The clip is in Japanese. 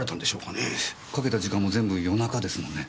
かけた時間も全部夜中ですもんね。